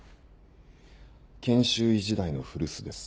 研修医時代の古巣です。